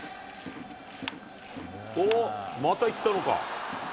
おっ、またいったのか。